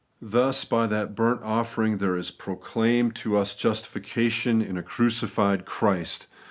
Thus, by that burnt offering there is proclaimed to ns justification in a crucified Christ.